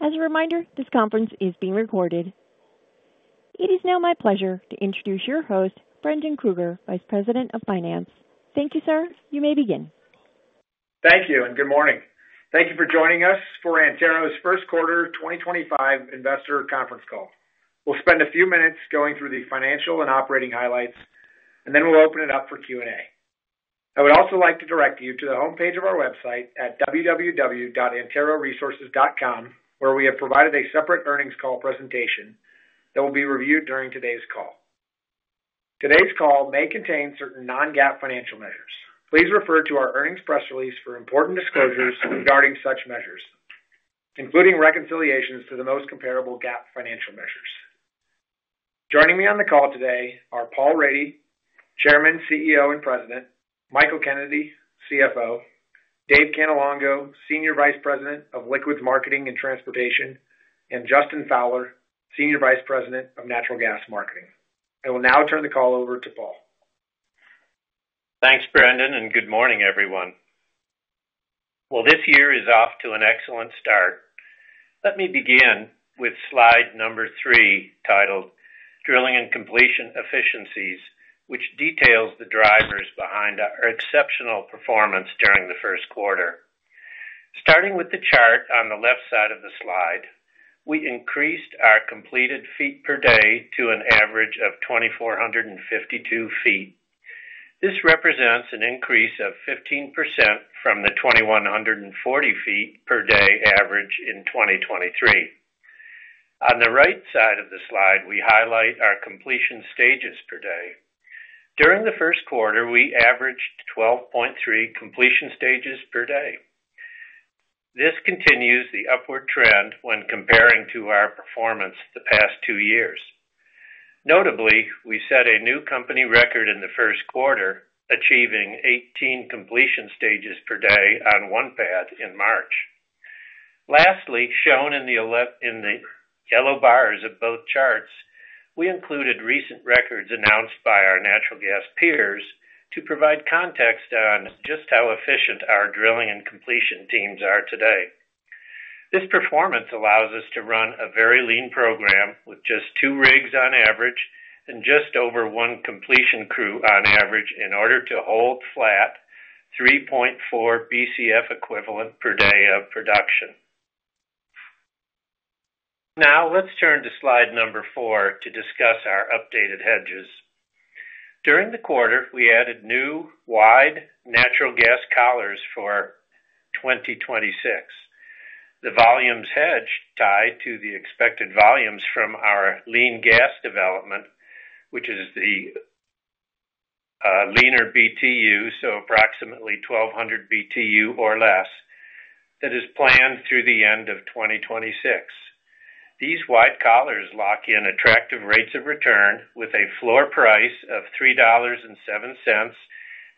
As a reminder, this conference is being recorded. It is now my pleasure to introduce your host, Brendan Krueger, Vice President of Finance. Thank you, sir. You may begin. Thank you, and good morning. Thank you for joining us for Antero Resources' First Quarter 2025 Investor Conference Call. We'll spend a few minutes going through the financial and operating highlights, and then we'll open it up for Q&A. I would also like to direct you to the homepage of our website at www.anteroresources.com, where we have provided a separate Earnings Call Presentation that will be reviewed during today's call. Today's call may contain certain non-GAAP financial measures. Please refer to our earnings press release for important disclosures regarding such measures, including reconciliations to the most comparable GAAP financial measures. Joining me on the call today are Paul Rady, Chairman, CEO, and President; Michael Kennedy, CFO; Dave Cannelongo, Senior Vice President of Liquids Marketing and Transportation; and Justin Fowler, Senior Vice President of Natural Gas Marketing. I will now turn the call over to Paul. Thanks, Brendan, and good morning, everyone. This year is off to an excellent start. Let me begin with slide number three, titled "Drilling and Completion Efficiencies," which details the drivers behind our exceptional performance during the first quarter. Starting with the chart on the left side of the slide, we increased our completed feet per day to an average of 2,452 ft. This represents an increase of 15% from the 2,140 ft per day average in 2023. On the right side of the slide, we highlight our completion stages per day. During the first quarter, we averaged 12.3 completion stages per day. This continues the upward trend when comparing to our performance the past two years. Notably, we set a new company record in the first quarter, achieving 18 completion stages per day on one pad in March. Lastly, shown in the yellow bars of both charts, we included recent records announced by our natural gas peers to provide context on just how efficient our drilling and completion teams are today. This performance allows us to run a very lean program with just two rigs on average and just over one completion crew on average in order to hold flat 3.4 Bcf equivalent per day of production. Now, let's turn to slide number four to discuss our updated hedges. During the quarter, we added new wide natural gas collars for 2026. The volumes hedged tie to the expected volumes from our lean gas development, which is the leaner BTU, so approximately 1,200 BTU or less, that is planned through the end of 2026. These wide collars lock in attractive rates of return with a floor price of $3.07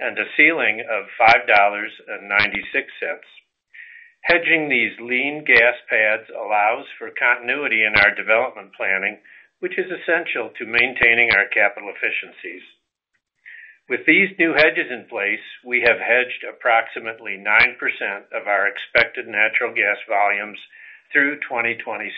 and a ceiling of $5.96. Hedging these lean gas pads allows for continuity in our development planning, which is essential to maintaining our capital efficiencies. With these new hedges in place, we have hedged approximately 9% of our expected natural gas volumes through 2026.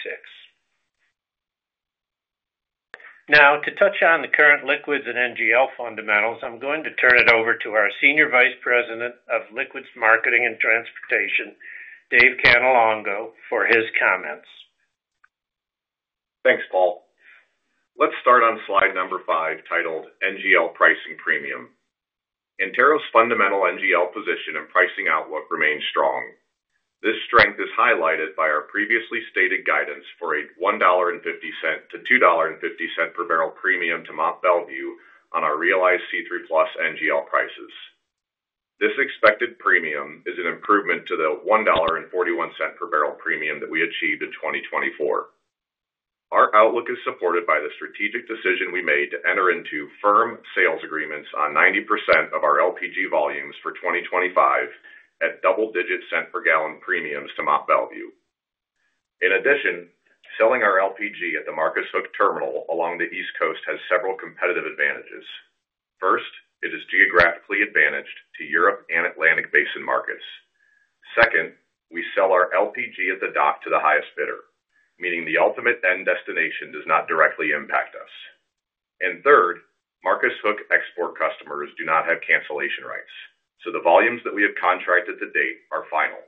Now, to touch on the current liquids and NGL fundamentals, I'm going to turn it over to our Senior Vice President of Liquids Marketing and Transportation, Dave Cannelongo, for his comments. Thanks, Paul. Let's start on slide number five, titled "NGL Pricing Premium." Antero's fundamental NGL position and pricing outlook remain strong. This strength is highlighted by our previously stated guidance for a $1.50-$2.50 per barrel premium to Mont Belvieu on our realized C3 Plus NGL prices. This expected premium is an improvement to the $1.41 per barrel premium that we achieved in 2024. Our outlook is supported by the strategic decision we made to enter into firm sales agreements on 90% of our LPG volumes for 2025 at double-digit cent per gallon premiums to Mont Belvieu. In addition, selling our LPG at the Marcus Hook terminal along the East Coast has several competitive advantages. First, it is geographically advantaged to Europe and Atlantic Basin markets. Second, we sell our LPG at the dock to the highest bidder, meaning the ultimate end destination does not directly impact us. Third, Marcus Hook export customers do not have cancellation rights, so the volumes that we have contracted to date are final.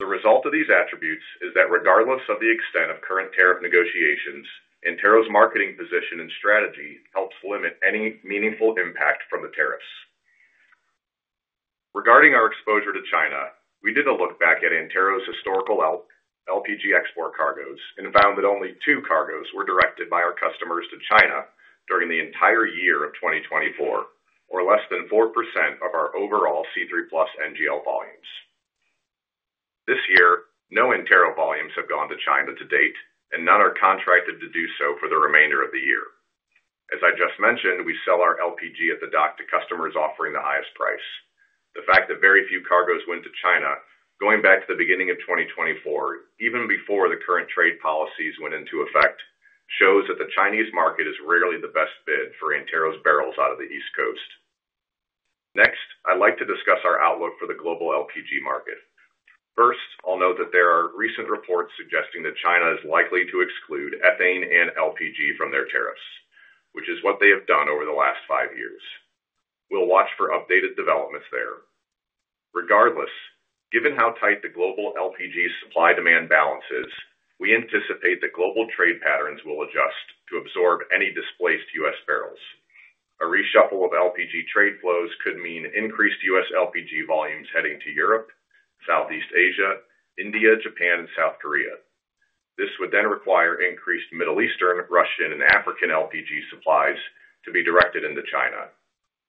The result of these attributes is that regardless of the extent of current tariff negotiations, Antero's marketing position and strategy helps limit any meaningful impact from the tariffs. Regarding our exposure to China, we did a look back at Antero's historical LPG export cargoes and found that only two cargoes were directed by our customers to China during the entire year of 2024, or less than 4% of our overall C3 Plus NGL volumes. This year, no Antero volumes have gone to China to date, and none are contracted to do so for the remainder of the year. As I just mentioned, we sell our LPG at the dock to customers offering the highest price. The fact that very few cargoes went to China, going back to the beginning of 2024, even before the current trade policies went into effect, shows that the Chinese market is rarely the best bid for Antero's barrels out of the East Coast. Next, I'd like to discuss our outlook for the global LPG market. First, I'll note that there are recent reports suggesting that China is likely to exclude ethane and LPG from their tariffs, which is what they have done over the last five years. We'll watch for updated developments there. Regardless, given how tight the global LPG supply-demand balance is, we anticipate that global trade patterns will adjust to absorb any displaced U.S. barrels. A reshuffle of LPG trade flows could mean increased U.S. LPG volumes heading to Europe, Southeast Asia, India, Japan, and South Korea. This would then require increased Middle Eastern, Russian, and African LPG supplies to be directed into China.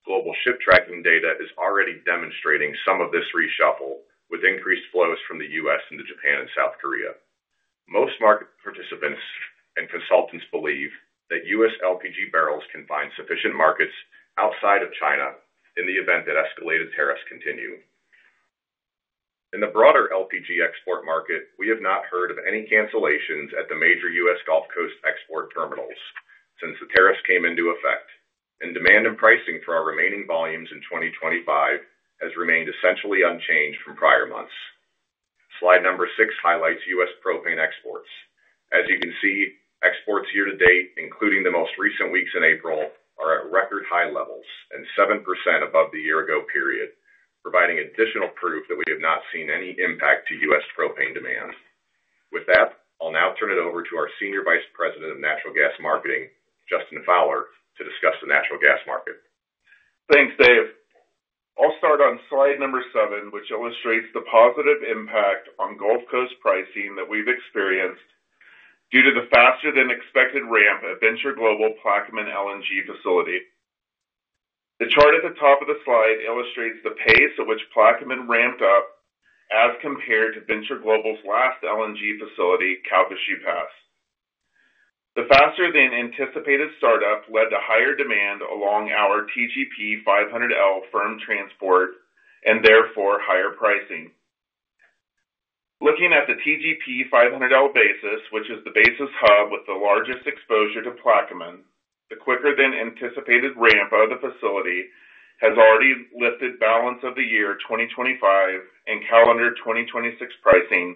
Global ship tracking data is already demonstrating some of this reshuffle with increased flows from the U.S. into Japan and South Korea. Most market participants and consultants believe that U.S. LPG barrels can find sufficient markets outside of China in the event that escalated tariffs continue. In the broader LPG export market, we have not heard of any cancellations at the major U.S. Gulf Coast export terminals since the tariffs came into effect, and demand and pricing for our remaining volumes in 2025 has remained essentially unchanged from prior months. slide number six highlights U.S. propane exports. As you can see, exports year-to-date, including the most recent weeks in April, are at record high levels and 7% above the year-ago period, providing additional proof that we have not seen any impact to U.S. propane demand. With that, I'll now turn it over to our Senior Vice President of Natural Gas Marketing, Justin Fowler, to discuss the natural gas market. Thanks, Dave. I'll start on slide number seven, which illustrates the positive impact on Gulf Coast pricing that we've experienced due to the faster-than-expected ramp at Venture Global's Plaquemines LNG facility. The chart at the top of the slide illustrates the pace at which Plaquemines ramped up as compared to Venture Global's last LNG facility, Calcasieu Pass. The faster-than-anticipated startup led to higher demand along our TGP 500L firm transport and therefore higher pricing. Looking at the TGP 500L basis, which is the basis hub with the largest exposure to Plaquemines, the quicker-than-anticipated ramp of the facility has already lifted balance of the year 2025 and calendar 2026 pricing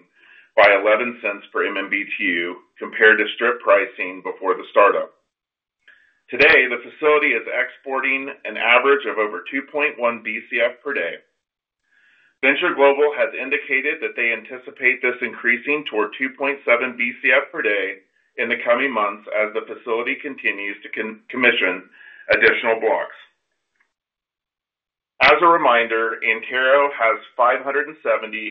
by $0.11 per MMBtu compared to strip pricing before the startup. Today, the facility is exporting an average of over 2.1 Bcf per day. Venture Global has indicated that they anticipate this increasing toward 2.7 Bcf per day in the coming months as the facility continues to commission additional blocks. As a reminder, Antero has 570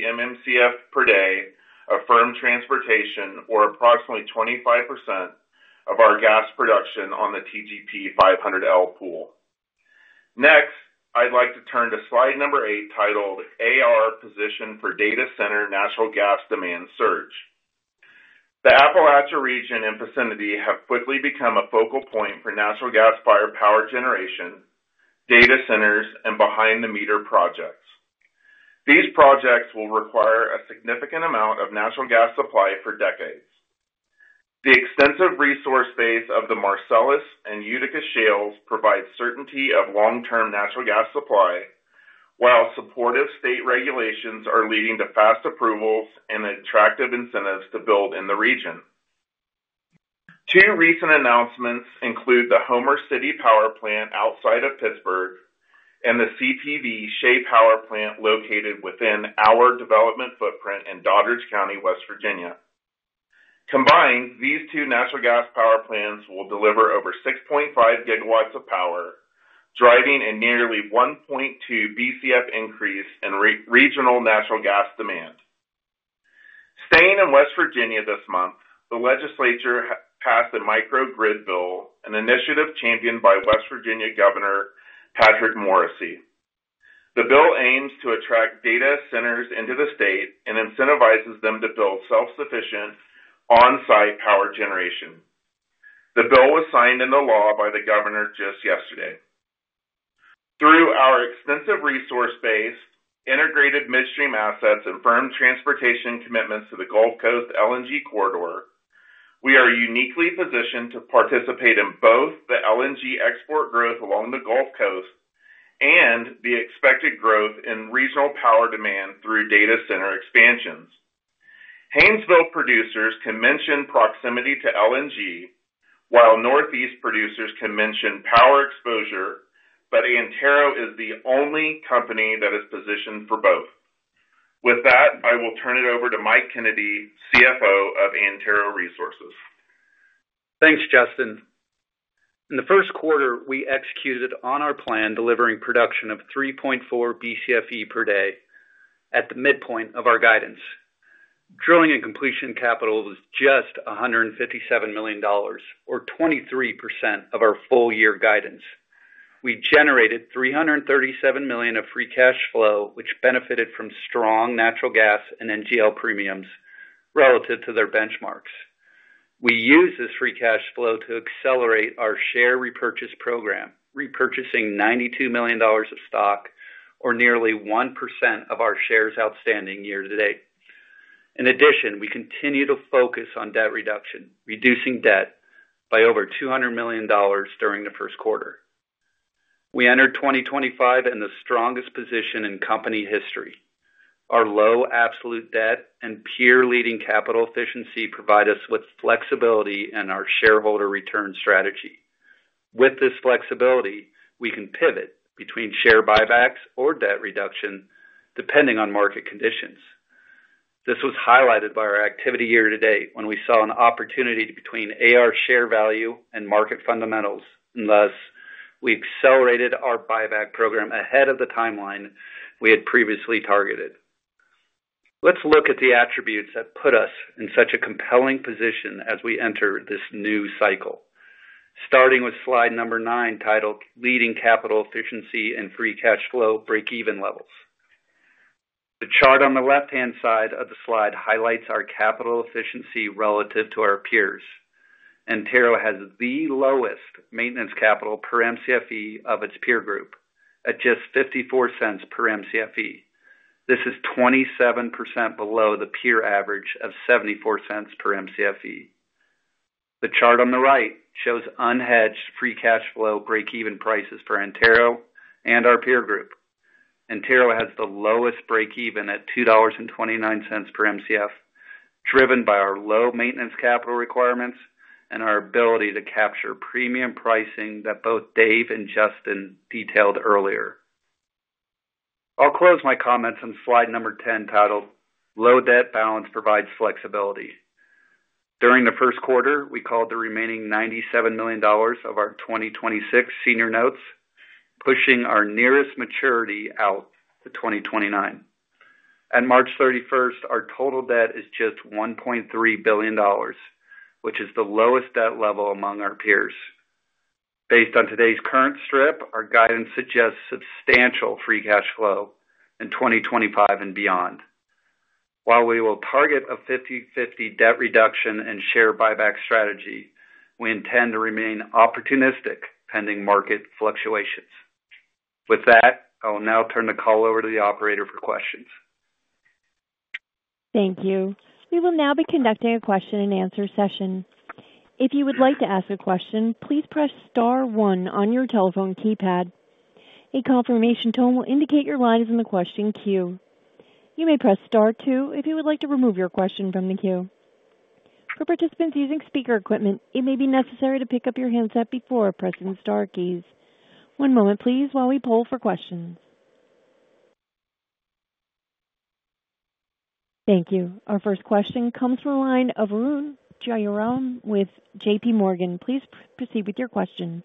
MMcf per day of firm transportation, or approximately 25% of our gas production on the TGP 500L pool. Next, I'd like to turn to slide number eight, titled "AR Position for Data Center Natural Gas Demand Surge." The Appalachia region and vicinity have quickly become a focal point for natural gas-fired power generation, data centers, and behind-the-meter projects. These projects will require a significant amount of natural gas supply for decades. The extensive resource base of the Marcellus and Utica Shales provides certainty of long-term natural gas supply, while supportive state regulations are leading to fast approvals and attractive incentives to build in the region. Two recent announcements include the Homer City Power Plant outside of Pittsburgh and the CPV Shay Power Plant located within our development footprint in Doddridge County, West Virginia. Combined, these two natural gas power plants will deliver over 6.5 GW of power, driving a nearly 1.2 Bcf increase in regional natural gas demand. Staying in West Virginia this month, the legislature passed a microgrid bill, an initiative championed by West Virginia Governor, Patrick Morrisey. The bill aims to attract data centers into the state and incentivizes them to build self-sufficient on-site power generation. The bill was signed into law by the governor just yesterday. Through our extensive resource base, integrated midstream assets and firm transportation commitments to the Gulf Coast LNG corridor, we are uniquely positioned to participate in both the LNG export growth along the Gulf Coast and the expected growth in regional power demand through data center expansions. Haynesville producers can mention proximity to LNG, while Northeast producers can mention power exposure, but Antero is the only company that is positioned for both. With that, I will turn it over to Mike Kennedy, CFO of Antero Resources. Thanks, Justin. In the first quarter, we executed on our plan, delivering production of 3.4 Bcfe per day at the midpoint of our guidance. Drilling and completion capital was just $157 million, or 23% of our full-year guidance. We generated $337 million of free cash flow, which benefited from strong natural gas and NGL premiums relative to their benchmarks. We use this free cash flow to accelerate our share repurchase program, repurchasing $92 million of stock, or nearly 1% of our shares outstanding year-to-date. In addition, we continue to focus on debt reduction, reducing debt by over $200 million during the first quarter. We entered 2025 in the strongest position in company history. Our low absolute debt and peer-leading capital efficiency provide us with flexibility in our shareholder return strategy. With this flexibility, we can pivot between share buybacks or debt reduction depending on market conditions. This was highlighted by our activity year-to-date when we saw an opportunity between AR share value and market fundamentals, and thus we accelerated our buyback program ahead of the timeline we had previously targeted. Let's look at the attributes that put us in such a compelling position as we enter this new cycle, starting with slide number nine titled "Leading Capital Efficiency and Free Cash Flow Breakeven Levels." The chart on the left-hand side of the slide highlights our capital efficiency relative to our peers. Antero has the lowest maintenance capital per Mcfe of its peer group at just $0.54 per Mcfe. This is 27% below the peer average of $0.74 per Mcfe. The chart on the right shows unhedged free cash flow breakeven prices for Antero and our peer group. Antero has the lowest breakeven at $2.29 per Mcf, driven by our low maintenance capital requirements and our ability to capture premium pricing that both Dave and Justin detailed earlier. I'll close my comments on slide number 10 titled "Low Debt Balance Provides Flexibility." During the first quarter, we called the remaining $97 million of our 2026 senior notes, pushing our nearest maturity out to 2029. At March 31st, our total debt is just $1.3 billion, which is the lowest debt level among our peers. Based on today's current strip, our guidance suggests substantial free cash flow in 2025 and beyond. While we will target a 50/50 debt reduction and share buyback strategy, we intend to remain opportunistic pending market fluctuations. With that, I will now turn the call over to the operator for questions. Thank you. We will now be conducting a question-and-answer session. If you would like to ask a question, please press star one on your telephone keypad. A confirmation tone will indicate your line is in the question queue. You may press star two if you would like to remove your question from the queue. For participants using speaker equipment, it may be necessary to pick up your handset before pressing star keys. One moment, please, while we poll for questions. Thank you. Our first question comes from Arun Jayaram with JPMorgan. Please proceed with your question.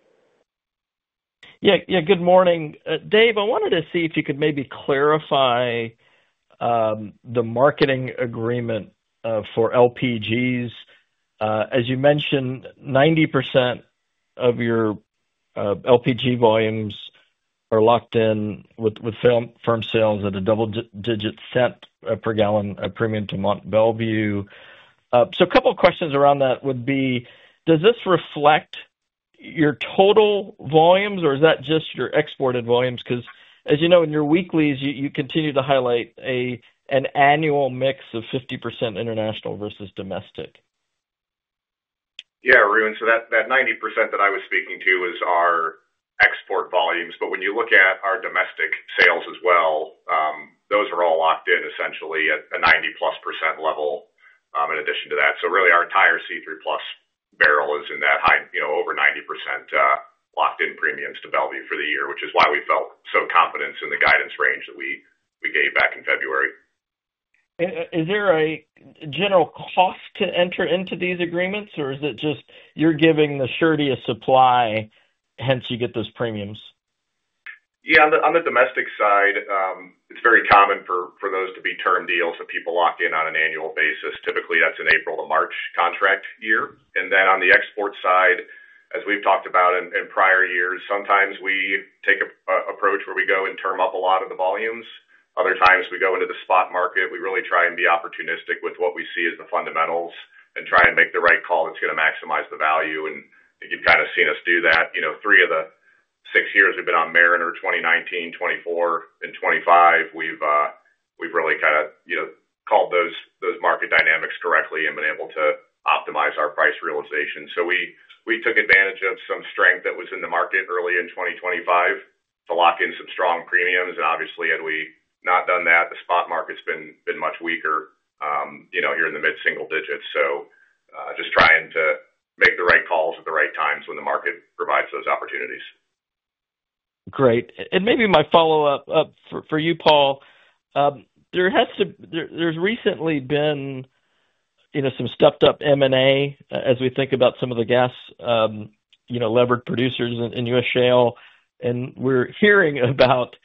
Yeah, yeah, good morning. Dave, I wanted to see if you could maybe clarify the marketing agreement for LPGs. As you mentioned, 90% of your LPG volumes are locked in with firm sales at a double-digit cent per gallon premium to Mont Belvieu. A couple of questions around that would be, does this reflect your total volumes, or is that just your exported volumes? Because, as you know, in your weeklies, you continue to highlight an annual mix of 50% international versus domestic. Yeah, Arun, so that 90% that I was speaking to is our export volumes. When you look at our domestic sales as well, those are all locked in essentially at a 90%+ level in addition to that. Really, our entire C3 Plus barrel is in that high, over 90% locked-in premiums to Belvieu for the year, which is why we felt so confident in the guidance range that we gave back in February. Is there a general cost to enter into these agreements, or is it just you're giving the surety of supply, hence you get those premiums? Yeah, on the domestic side, it's very common for those to be term deals that people lock in on an annual basis. Typically, that's an April to March contract year. On the export side, as we've talked about in prior years, sometimes we take an approach where we go and term up a lot of the volumes. Other times, we go into the spot market. We really try and be opportunistic with what we see as the fundamentals and try and make the right call that's going to maximize the value. You've kind of seen us do that. Three of the six years we've been on Mariner 2019, 2024, and 2025, we've really kind of called those market dynamics correctly and been able to optimize our price realization. We took advantage of some strength that was in the market early in 2025 to lock in some strong premiums. Obviously, had we not done that, the spot market's been much weaker here in the mid-single digits. Just trying to make the right calls at the right times when the market provides those opportunities. Great. Maybe my follow-up for you, Paul. There's recently been some stepped-up M&A as we think about some of the gas-levered producers in U.S. Shale, and we're hearing about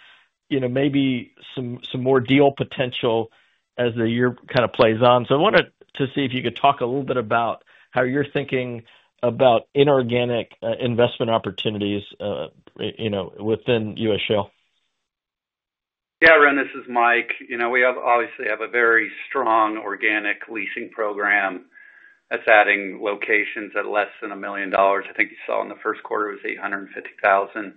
maybe some more deal potential as the year kind of plays on. I wanted to see if you could talk a little bit about how you're thinking about inorganic investment opportunities within U.S. Shale. Yeah, Arun, this is Mike. We obviously have a very strong organic leasing program that's adding locations at less than $1 million. I think you saw in the first quarter it was $850,000.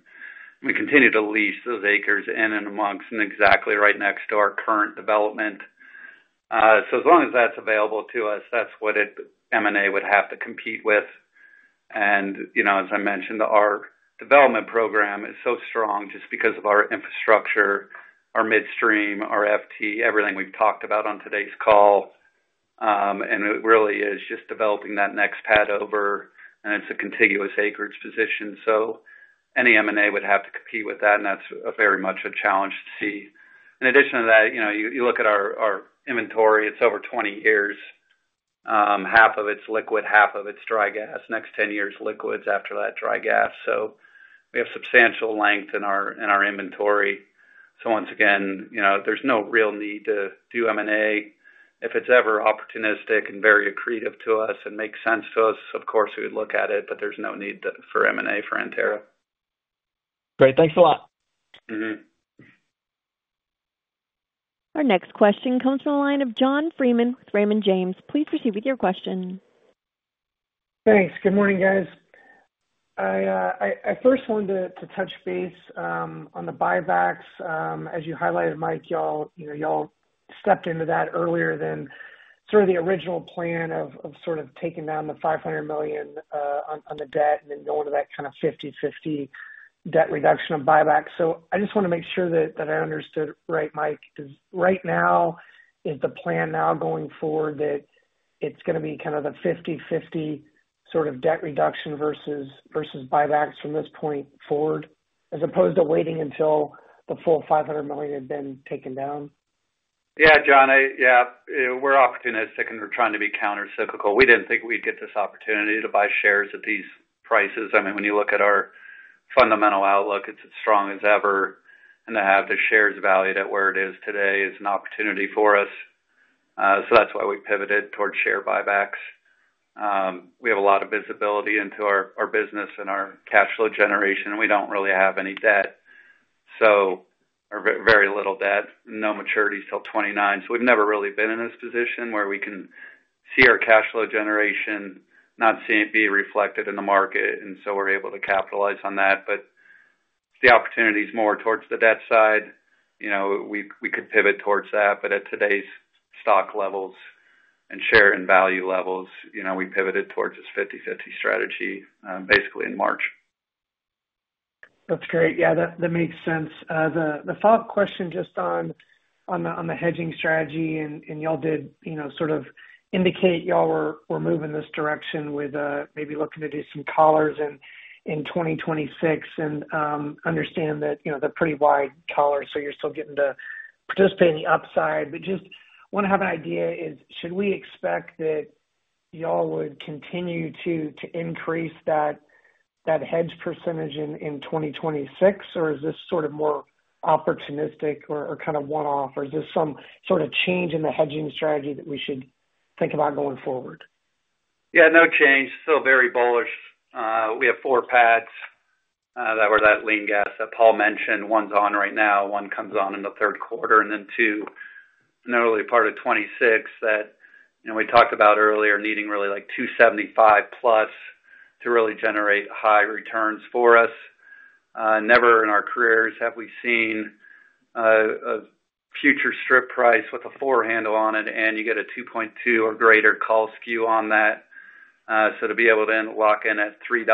We continue to lease those acres in and amongst and exactly right next to our current development. As long as that's available to us, that's what M&A would have to compete with. As I mentioned, our development program is so strong just because of our infrastructure, our midstream, our FT, everything we've talked about on today's call. It really is just developing that next pad over, and it's a contiguous acreage position. Any M&A would have to compete with that, and that's very much a challenge to see. In addition to that, you look at our inventory. It's over 20 years. Half of it's liquid, half of it's dry gas. Next 10 years, liquids. After that, dry gas. We have substantial length in our inventory. Once again, there's no real need to do M&A. If it's ever opportunistic and very accretive to us and makes sense to us, of course, we would look at it, but there's no need for M&A for Antero. Great. Thanks a lot. Our next question comes from the line of John Freeman with Raymond James. Please proceed with your question. Thanks. Good morning, guys. I first wanted to touch base on the buybacks. As you highlighted, Mike, y'all stepped into that earlier than sort of the original plan of sort of taking down the $500 million on the debt and then going to that kind of 50/50 debt reduction of buybacks. I just want to make sure that I understood right, Mike. Right now, is the plan now going forward that it's going to be kind of the 50/50 sort of debt reduction versus buybacks from this point forward as opposed to waiting until the full $500 million had been taken down? Yeah, John, yeah. We're opportunistic and we're trying to be countercyclical. We didn't think we'd get this opportunity to buy shares at these prices. I mean, when you look at our fundamental outlook, it's as strong as ever. To have the shares valued at where it is today is an opportunity for us. That is why we pivoted towards share buybacks. We have a lot of visibility into our business and our cash flow generation. We don't really have any debt. Very little debt, no maturity till 2029. We've never really been in this position where we can see our cash flow generation, not see it be reflected in the market. We are able to capitalize on that. If the opportunity is more towards the debt side, we could pivot towards that. At today's stock levels and share and value levels, we pivoted towards this 50/50 strategy basically in March. That's great. Yeah, that makes sense. The follow-up question just on the hedging strategy, and y'all did sort of indicate y'all were moving this direction with maybe looking to do some collars in 2026 and understand that they're pretty wide collars, so you're still getting to participate in the upside. Just want to have an idea, should we expect that y'all would continue to increase that hedge percentage in 2026, or is this sort of more opportunistic or kind of one-off, or is this some sort of change in the hedging strategy that we should think about going forward? Yeah, no change. Still very bullish. We have four pads that were that lean gas that Paul mentioned. One's on right now. One comes on in the third quarter and then two in the early part of 2026 that we talked about earlier needing really like $2.75+ to really generate high returns for us. Never in our careers have we seen a future strip price with a four handle on it, and you get a 2.2 or greater call skew on that. To be able to lock in at $3,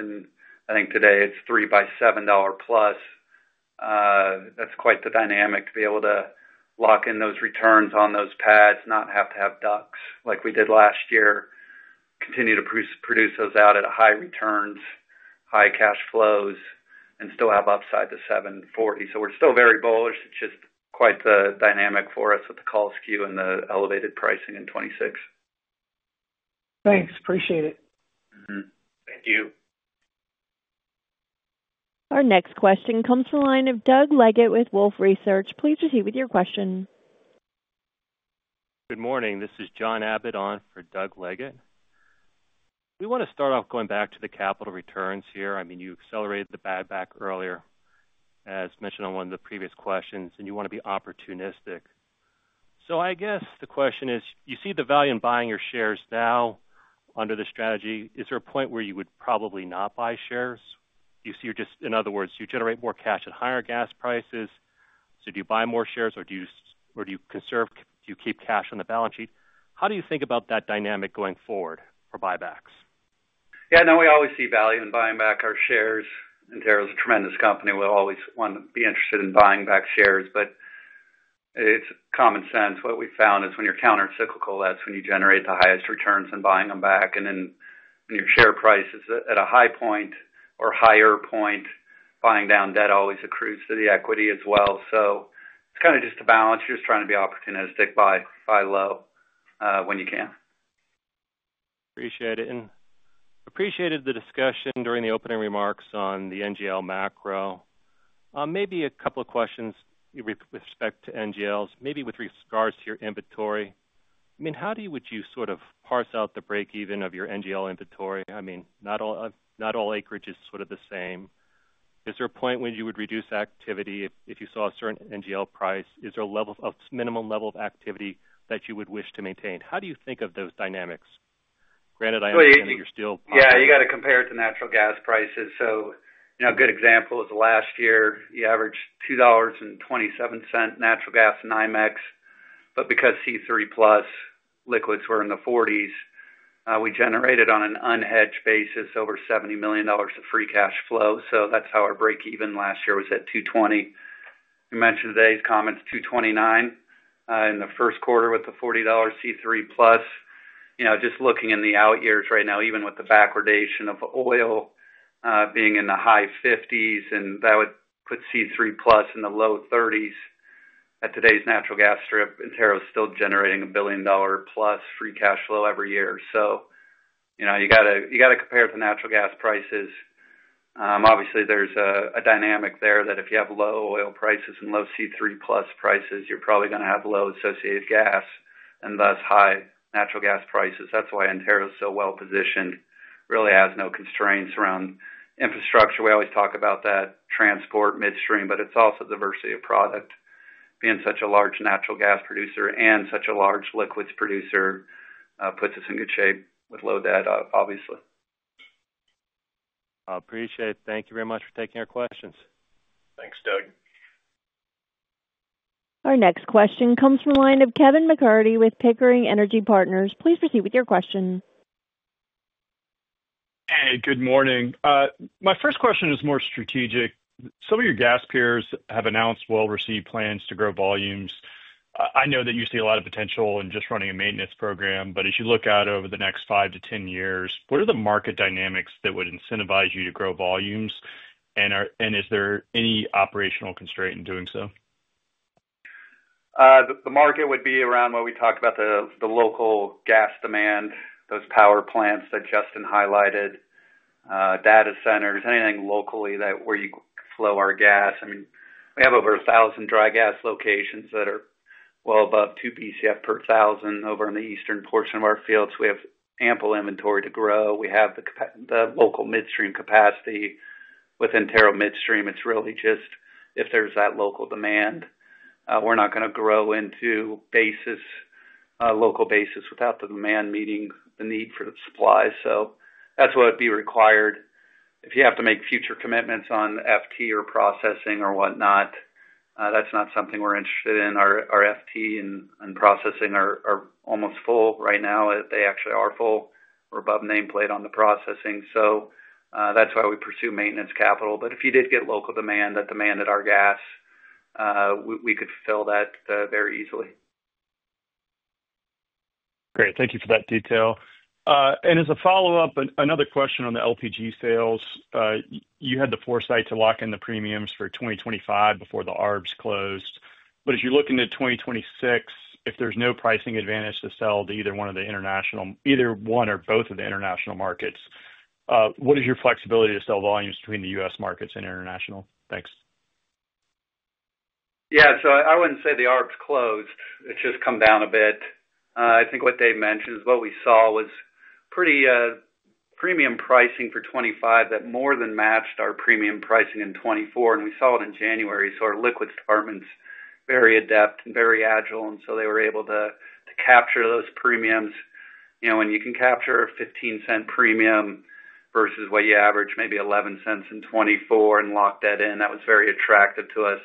and I think today it's $3 by $7+, that's quite the dynamic to be able to lock in those returns on those pads, not have to have DUCs like we did last year, continue to produce those out at high returns, high cash flows, and still have upside to $7.40. We are still very bullish. It's just quite the dynamic for us with the call skew and the elevated pricing in 2026. Thanks. Appreciate it. Thank you. Our next question comes from the line of Doug Leggett with Wolfe Research. Please proceed with your question. Good morning. This is John Abbott on for Doug Leggett. We want to start off going back to the capital returns here. I mean, you accelerated the buyback earlier, as mentioned on one of the previous questions, and you want to be opportunistic. I guess the question is, you see the value in buying your shares now under the strategy. Is there a point where you would probably not buy shares? You see, you just, in other words, you generate more cash at higher gas prices. Do you buy more shares, or do you conserve, do you keep cash on the balance sheet? How do you think about that dynamic going forward for buybacks? Yeah, no, we always see value in buying back our shares. Antero's a tremendous company. We'll always want to be interested in buying back shares. It's common sense. What we found is when you're countercyclical, that's when you generate the highest returns in buying them back. When your share price is at a high point or higher point, buying down debt always accrues to the equity as well. It's kind of just a balance. You're just trying to be opportunistic, buy low when you can. Appreciate it. Appreciated the discussion during the opening remarks on the NGL macro. Maybe a couple of questions with respect to NGLs, maybe with regards to your inventory. I mean, how would you sort of parse out the break-even of your NGL inventory? I mean, not all acreage is sort of the same. Is there a point when you would reduce activity if you saw a certain NGL price? Is there a minimum level of activity that you would wish to maintain? How do you think of those dynamics? Granted, I understand that you're still. Yeah, you got to compare it to natural gas prices. A good example is last year, you averaged $2.27 natural gas in NYMEX. Because C3 Plus liquids were in the $40s, we generated on an unhedged basis over $70 million of free cash flow. That is how our break-even last year was at $2.20. You mentioned today's comments, $2.29 in the first quarter with the $40 C3 Plus. Just looking in the out years right now, even with the backwardation of oil being in the high $50s, and that would put C3 Plus in the low $30s. At today's natural gas strip, Antero is still generating a billion-dollar-plus free cash flow every year. You got to compare it to natural gas prices. Obviously, there's a dynamic there that if you have low oil prices and low C3 Plus prices, you're probably going to have low associated gas and thus high natural gas prices. That's why Antero's so well-positioned. Really has no constraints around infrastructure. We always talk about that transport midstream, but it's also diversity of product. Being such a large natural gas producer and such a large liquids producer puts us in good shape with low debt, obviously. Appreciate it. Thank you very much for taking our questions. Thanks, Doug. Our next question comes from the line of Kevin MacCurdy with Pickering Energy Partners. Please proceed with your question. Hey, good morning. My first question is more strategic. Some of your gas peers have announced well-received plans to grow volumes. I know that you see a lot of potential in just running a maintenance program, but as you look out over the next 5 to 10 years, what are the market dynamics that would incentivize you to grow volumes, and is there any operational constraint in doing so? The market would be around what we talked about, the local gas demand, those power plants that Justin highlighted, data centers, anything locally where you flow our gas. I mean, we have over 1,000 dry gas locations that are well above 2 Bcf per 1,000 over in the eastern portion of our fields. We have ample inventory to grow. We have the local midstream capacity. With Antero Midstream, it's really just if there's that local demand, we're not going to grow into local basis without the demand meeting the need for the supply. That is what would be required. If you have to make future commitments on FT or processing or whatnot, that's not something we're interested in. Our FT and processing are almost full right now. They actually are full. We're above nameplate on the processing. That is why we pursue maintenance capital. If you did get local demand that demanded our gas, we could fill that very easily. Great. Thank you for that detail. As a follow-up, another question on the LPG sales. You had the foresight to lock in the premiums for 2025 before the ARBs closed. As you're looking at 2026, if there's no pricing advantage to sell to either one or both of the international markets, what is your flexibility to sell volumes between the U.S. markets and international? Thanks. Yeah. I would not say the ARBs closed. It has just come down a bit. I think what they mentioned is what we saw was pretty premium pricing for 2025 that more than matched our premium pricing in 2024. We saw it in January. Our liquids department is very adept and very agile, and they were able to capture those premiums. When you can capture a $0.15 premium versus what you average, maybe $0.11 in 2024, and lock that in, that was very attractive to us.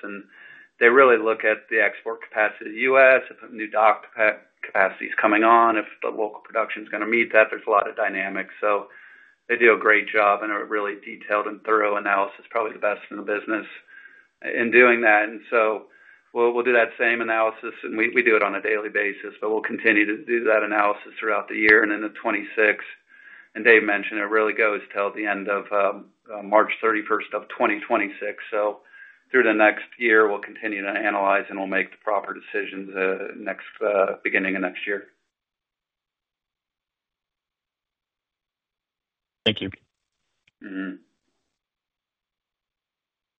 They really look at the export capacity of the U.S., if new dock capacity is coming on, if the local production is going to meet that. There are a lot of dynamics. They do a great job and a really detailed and thorough analysis, probably the best in the business in doing that. We will do that same analysis, and we do it on a daily basis, but we will continue to do that analysis throughout the year and into 2026. Dave mentioned it really goes till the end of March 31st, 2026. Through the next year, we will continue to analyze and we will make the proper decisions beginning of next year. Thank you.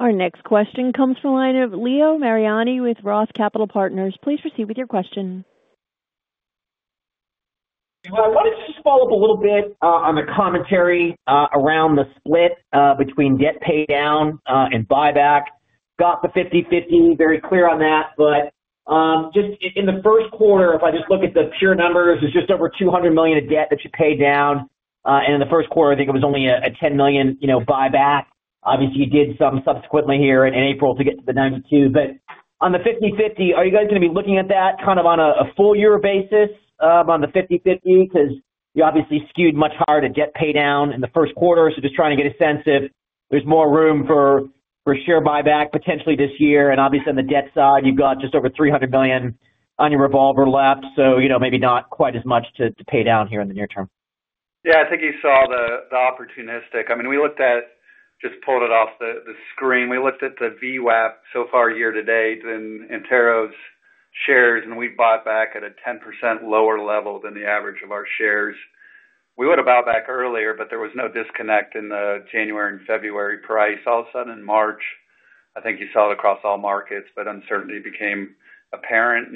Our next question comes from the line of Leo Mariani with Roth Capital Partners. Please proceed with your question. I wanted to just follow up a little bit on the commentary around the split between debt pay down and buyback. Got the 50/50, very clear on that. In the first quarter, if I just look at the pure numbers, it's just over $200 million of debt that you pay down. In the first quarter, I think it was only a $10 million buyback. Obviously, you did some subsequently here in April to get to the $92 million. On the 50/50, are you guys going to be looking at that kind of on a full-year basis on the 50/50? You obviously skewed much harder to debt pay down in the first quarter. Just trying to get a sense if there's more room for share buyback potentially this year. Obviously, on the debt side, you've got just over $300 million on your revolver left. Maybe not quite as much to pay down here in the near term. Yeah. I think you saw the opportunistic. I mean, we looked at, just pulled it off the screen. We looked at the VWAP so far year to date and Antero's shares, and we bought back at a 10% lower level than the average of our shares. We would have bought back earlier, but there was no disconnect in the January and February price. All of a sudden, in March, I think you saw it across all markets, but uncertainty became apparent.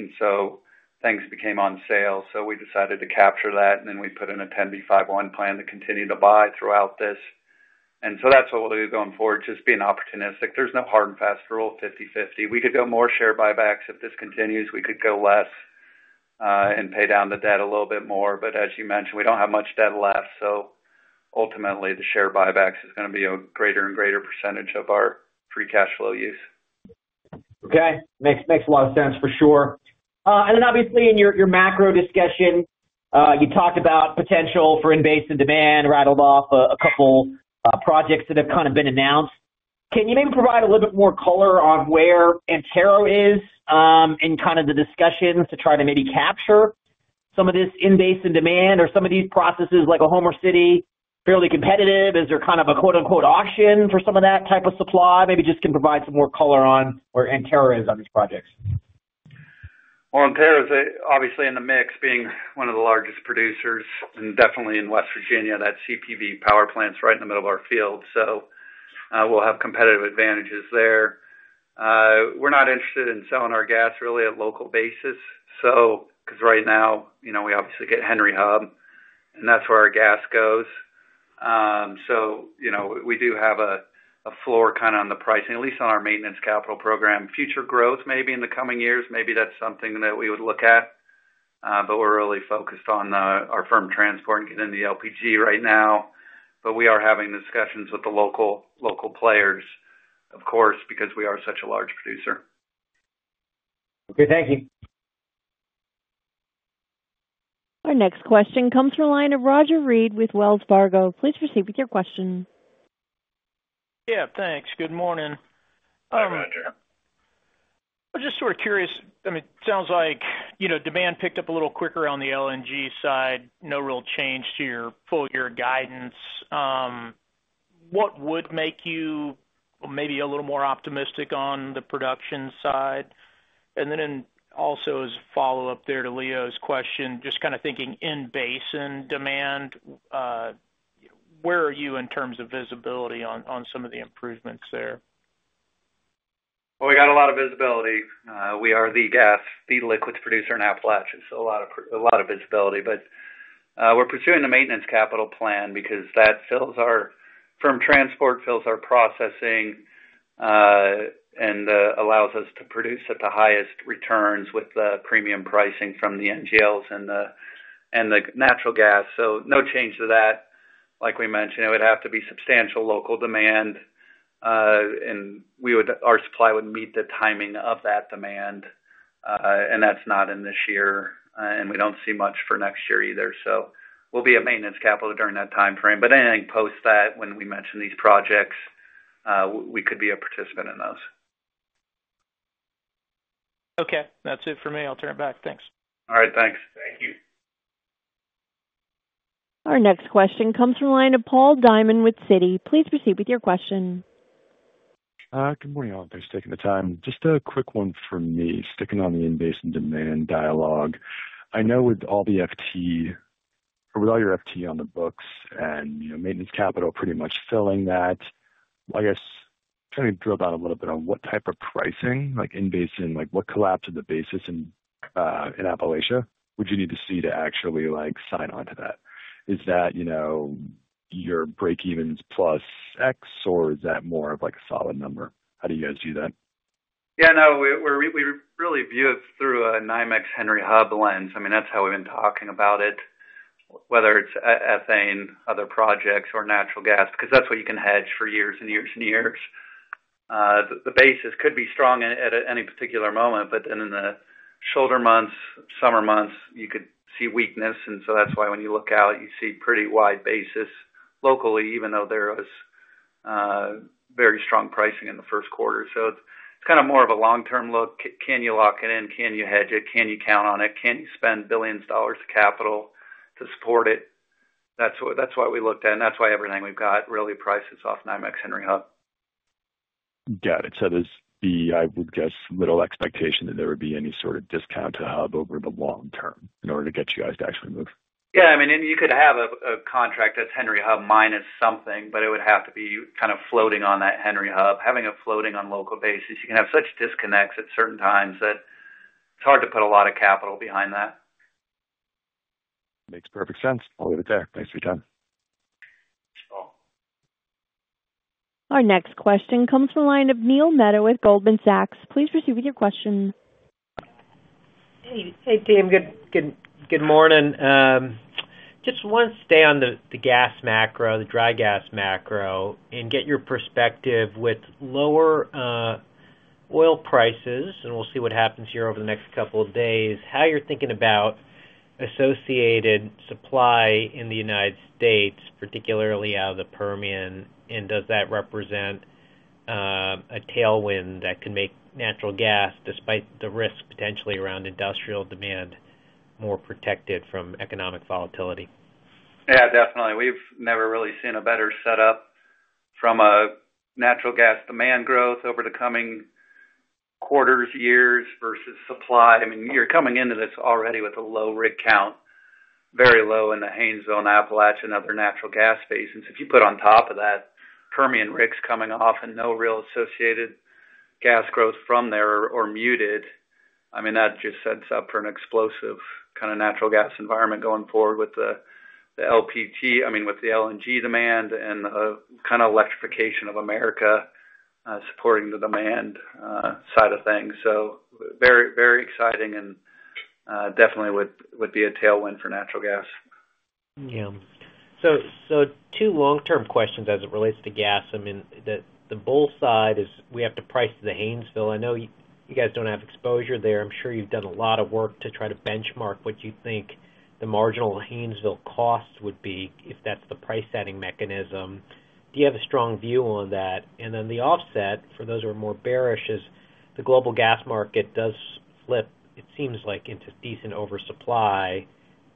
Things became on sale. We decided to capture that, and then we put in a 10b5-1 plan to continue to buy throughout this. That is what we will do going forward, just being opportunistic. There is no hard and fast rule, 50/50. We could go more share buybacks. If this continues, we could go less and pay down the debt a little bit more. As you mentioned, we don't have much debt left. Ultimately, the share buybacks are going to be a greater and greater percentage of our free cash flow use. Okay. Makes a lot of sense, for sure. Obviously, in your macro discussion, you talked about potential for in-basin demand, rattled off a couple of projects that have kind of been announced. Can you maybe provide a little bit more color on where Antero is in kind of the discussions to try to maybe capture some of this in-basin demand or some of these processes, like a Homer City, fairly competitive? Is there kind of a "auction" for some of that type of supply? Maybe just can provide some more color on where Antero is on these projects. Antero is obviously in the mix, being one of the largest producers, and definitely in West Virginia, that CPV power plant's right in the middle of our field. We will have competitive advantages there. We're not interested in selling our gas really at local basis. Right now, we obviously get Henry Hub, and that's where our gas goes. We do have a floor kind of on the pricing, at least on our maintenance capital program. Future growth maybe in the coming years, maybe that's something that we would look at. We're really focused on our firm transport and getting the LPG right now. We are having discussions with the local players, of course, because we are such a large producer. Okay. Thank you. Our next question comes from the line of Roger Read with Wells Fargo. Please proceed with your question. Yeah. Thanks. Good morning. Hi, Roger. I'm just sort of curious. I mean, it sounds like demand picked up a little quicker on the LNG side. No real change to your full-year guidance. What would make you maybe a little more optimistic on the production side? Also, as a follow-up there to Leo's question, just kind of thinking in-basin demand, where are you in terms of visibility on some of the improvements there? We got a lot of visibility. We are the gas, the liquids producer in Appalachia. A lot of visibility. We're pursuing the maintenance capital plan because that fills our firm transport, fills our processing, and allows us to produce at the highest returns with the premium pricing from the NGLs and the natural gas. No change to that. Like we mentioned, it would have to be substantial local demand, and our supply would meet the timing of that demand. That's not in this year, and we don't see much for next year either. We'll be at maintenance capital during that time frame. Anything post that, when we mention these projects, we could be a participant in those. Okay. That's it for me. I'll turn it back. Thanks. All right. Thanks. Thank you. Our next question comes from the line of Paul Diamond with Citi. Please proceed with your question. Good morning, all. Thanks for taking the time. Just a quick one for me, sticking on the in-basin demand dialogue. I know with all the FT, with all your FT on the books and maintenance capital pretty much filling that, I guess trying to drill down a little bit on what type of pricing, like in-basin and what collapse of the basis in Appalachia would you need to see to actually sign on to that? Is that your break-evens plus X, or is that more of a solid number? How do you guys do that? Yeah. No, we really view it through a 9X Henry Hub lens. I mean, that's how we've been talking about it, whether it's ethane, other projects, or natural gas, because that's what you can hedge for years and years and years. The basis could be strong at any particular moment, but then in the shoulder months, summer months, you could see weakness. That's why when you look out, you see pretty wide basis locally, even though there was very strong pricing in the first quarter. It's kind of more of a long-term look. Can you lock it in? Can you hedge it? Can you count on it? Can you spend billions of dollars of capital to support it? That's why we looked at it. That's why everything we've got really prices off 9X Henry Hub. Got it. There'd be, I would guess, little expectation that there would be any sort of discount to Hub over the long term in order to get you guys to actually move. Yeah. I mean, you could have a contract that's Henry Hub minus something, but it would have to be kind of floating on that Henry Hub. Having it floating on local basis, you can have such disconnects at certain times that it's hard to put a lot of capital behind that. Makes perfect sense. I'll leave it there. Thanks for your time. Our next question comes from the line of Neil Mehta with Goldman Sachs. Please proceed with your question. Hey, team. Good morning. Just want to stay on the gas macro, the dry gas macro, and get your perspective with lower oil prices. We will see what happens here over the next couple of days, how you're thinking about associated supply in the United States, particularly out of the Permian. Does that represent a tailwind that could make natural gas, despite the risk potentially around industrial demand, more protected from economic volatility? Yeah, definitely. We've never really seen a better setup from a natural gas demand growth over the coming quarters, years versus supply. I mean, you're coming into this already with a low rig count, very low in the Haynesville, Appalachia, and other natural gas basins. If you put on top of that, Permian rigs coming off and no real associated gas growth from there or muted, I mean, that just sets up for an explosive kind of natural gas environment going forward with the LPG, I mean, with the LNG demand and the kind of electrification of America supporting the demand side of things. Very exciting and definitely would be a tailwind for natural gas. Yeah. Two long-term questions as it relates to gas. I mean, the bull side is we have to price the Haynesville. I know you guys do not have exposure there. I am sure you have done a lot of work to try to benchmark what you think the marginal Haynesville cost would be if that is the price-setting mechanism. Do you have a strong view on that? The offset for those who are more bearish is the global gas market does flip, it seems like, into decent oversupply.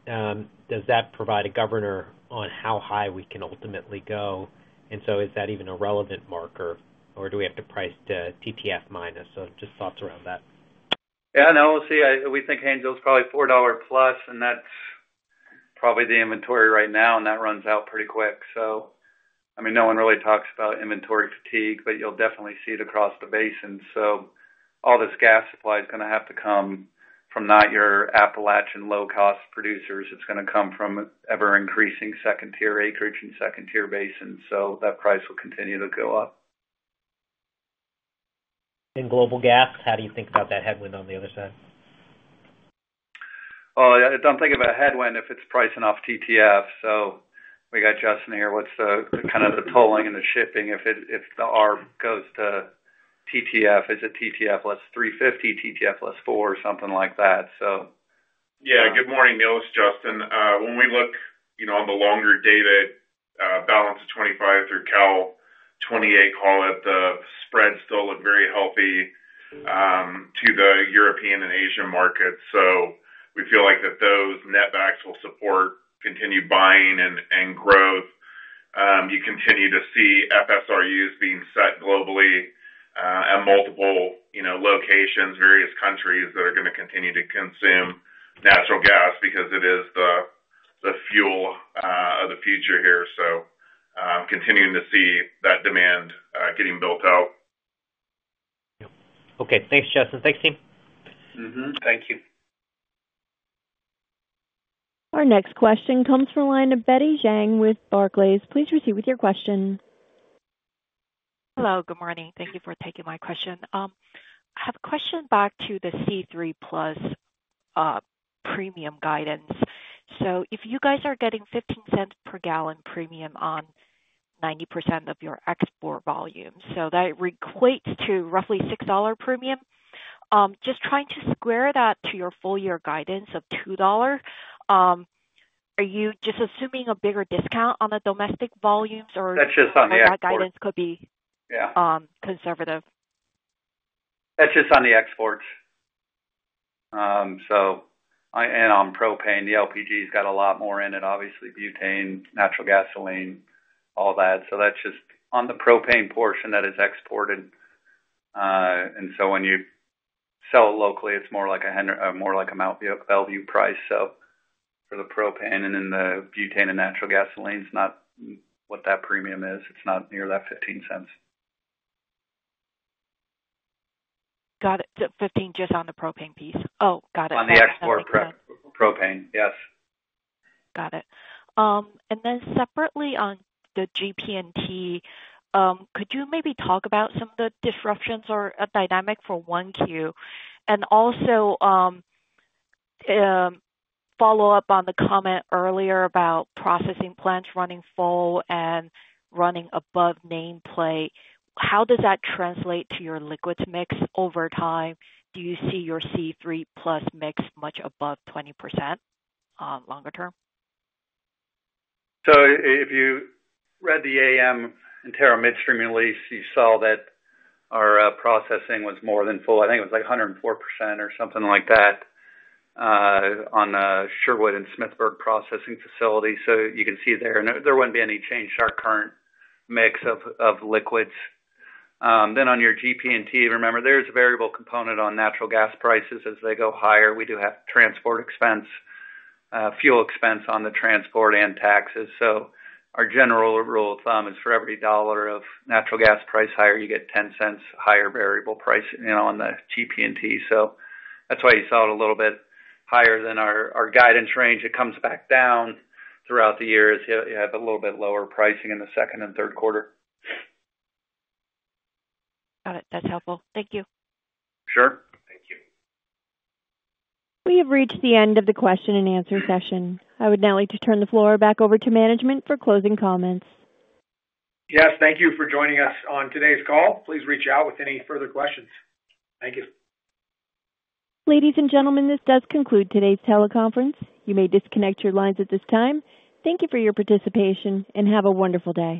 Does that provide a governor on how high we can ultimately go? Is that even a relevant marker, or do we have to price to TTF minus? Just thoughts around that. Yeah. No, we'll see. We think Haynesville is probably $4+, and that's probably the inventory right now, and that runs out pretty quick. I mean, no one really talks about inventory fatigue, but you'll definitely see it across the basin. All this gas supply is going to have to come from not your Appalachian low-cost producers. It's going to come from ever-increasing second-tier acreage and second-tier basins. That price will continue to go up. In global gas, how do you think about that headwind on the other side? I'm thinking of a headwind if it's pricing off TTF. We got Justin here. What's the kind of the tolling and the shipping? If the ARB goes to TTF, is it TTF less 350, TTF less 4, something like that? Yeah. Good morning, Neil, it's Justin. When we look on the longer data, balance of 2025 through calendar 2028, call it, the spreads still look very healthy to the European and Asian markets. We feel like that those netbacks will support continued buying and growth. You continue to see FSRUs being set globally at multiple locations, various countries that are going to continue to consume natural gas because it is the fuel of the future here. Continuing to see that demand getting built out. Yep. Okay. Thanks, Justin. Thanks, team. Thank you. Our next question comes from the line of Betty Jiang with Barclays. Please proceed with your question. Hello. Good morning. Thank you for taking my question. I have a question back to the C3 Plus premium guidance. If you guys are getting $0.15 per gallon premium on 90% of your export volumes, that equates to roughly $6 premium. Just trying to square that to your full-year guidance of $2, are you just assuming a bigger discount on the domestic volumes, or? That's just on the exports. Or that guidance could be conservative? That's just on the exports. On propane, the LPG has got a lot more in it, obviously, butane, natural gasoline, all that. That's just on the propane portion that is exported. When you sell it locally, it's more like a Mont Belvieu price for the propane, and then the butane and natural gasoline, it's not what that premium is. It's not near that $0.15. Got it. $0.15 just on the propane piece. Oh, got it. Okay. On the export propane, yes. Got it. Then separately on the GP&T, could you maybe talk about some of the disruptions or a dynamic for 1Q? Also, follow up on the comment earlier about processing plants running full and running above nameplate. How does that translate to your liquids mix over time? Do you see your C3 Plus mix much above 20% longer term? If you read the AM, Antero Midstream release, you saw that our processing was more than full. I think it was like 104% or something like that on the Sherwood and Smithburg processing facility. You can see there. There would not be any change to our current mix of liquids. On your GP&T, remember, there is a variable component on natural gas prices. As they go higher, we do have transport expense, fuel expense on the transport, and taxes. Our general rule of thumb is for every dollar of natural gas price higher, you get $0.10 higher variable price on the GP&T. That is why you saw it a little bit higher than our guidance range. It comes back down throughout the year as you have a little bit lower pricing in the second and third quarter. Got it. That's helpful. Thank you. Sure. Thank you. We have reached the end of the question and answer session. I would now like to turn the floor back over to management for closing comments. Yes. Thank you for joining us on today's call. Please reach out with any further questions. Thank you. Ladies and gentlemen, this does conclude today's teleconference. You may disconnect your lines at this time. Thank you for your participation and have a wonderful day.